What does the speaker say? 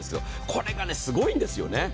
これがね、すごいんですよね。